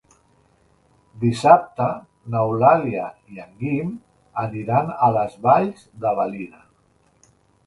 Dissabte n'Eulàlia i en Guim aniran a les Valls de Valira.